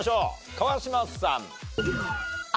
川島さん。